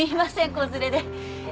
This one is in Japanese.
子連れで